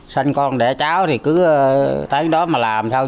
sinh con đẻ cháu thì cứ tới đó mà làm thôi